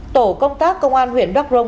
tổ công tác công an huyện đắk rông